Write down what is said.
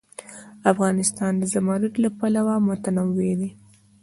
افغانستان د زمرد له پلوه متنوع دی.